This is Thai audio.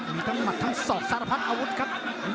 มีมัดทั้งสองเสาระพัดอาวุธครับ